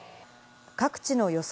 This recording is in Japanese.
各地の予想